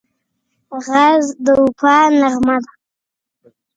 غږ د وفا نغمه ده